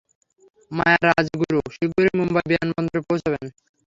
মায়া রাজগুরু শীঘ্রই মুম্বাই বিমানবন্দরে পৌঁছাবেন।